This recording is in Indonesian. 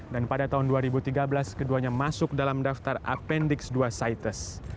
dan pada tahun dua ribu tiga belas keduanya masuk dalam daftar appendix dua cites